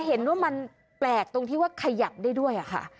เห็นว่ามันแปลกตรงที่ว่าขยับได้ด้วยค่ะ